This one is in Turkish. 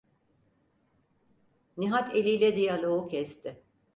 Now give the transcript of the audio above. Nihat eliyle diyaloğu kesti: